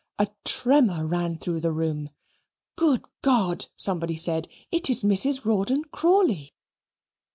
A tremor ran through the room. "Good God!" somebody said, "it's Mrs. Rawdon Crawley."